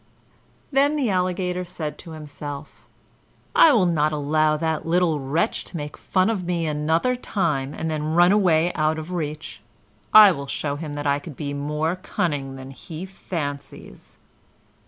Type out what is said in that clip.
Then the Alligator said to himself: "I will not allow that little wretch to make fun of me another time and then run away out of reach; I will show him that I can be more cunning than he fancies."